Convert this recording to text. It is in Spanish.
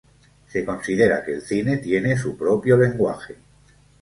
Se considera que el cine tiene su propio lenguaje.